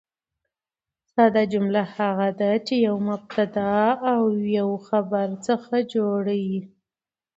ساده جمله هغه ده، چي له یوه مبتداء او یوه خبر څخه جوړه يي.